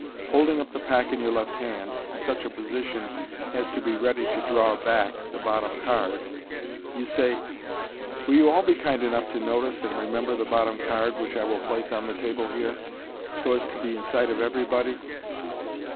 Holding up the pack in your left hand, in such a position as to be ready to " draw back M the bottom card (see page 36), you say, " Will you all be kind enough to notice and remember the bottom card, which I will place on the table here, so as to be in sight of everybody."